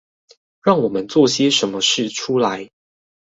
讓我們做些什麼事出來